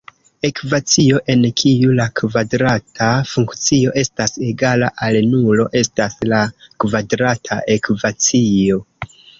Ekvacio en kiu la kvadrata funkcio estas egala al nulo estas la kvadrata ekvacio.